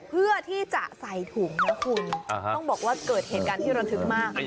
เพื่อที่จะใส่ถุงนะคุณต้องบอกว่าเกิดเหตุการณ์ที่ระทึกมาก